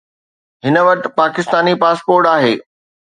هن وٽ پاڪستاني پاسپورٽ آهي